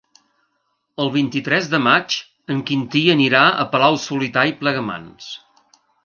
El vint-i-tres de maig en Quintí anirà a Palau-solità i Plegamans.